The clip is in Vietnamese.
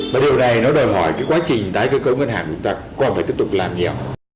và điều này nó đòi hỏi cái quá trình tái cơ cấu ngân hàng của chúng ta còn phải tiếp tục làm nhiều